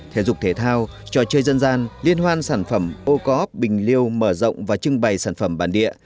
thể dục thể thao trò chơi dân gian liên hoan sản phẩm ô cớp bình liêu mở rộng và trưng bày sản phẩm bản địa